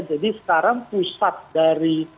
jadi sekarang pusat dari